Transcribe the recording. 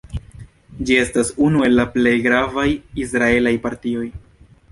Ĝi estas unu el la plej gravaj israelaj partioj.